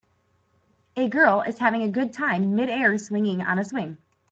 A girl is having a good time midair swinging on a swing.